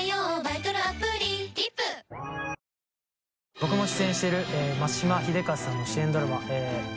僕も出演している眞島秀和さんの主演ドラマ。